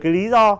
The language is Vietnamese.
cái lý do